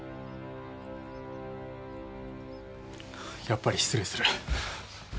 やっぱり失礼する。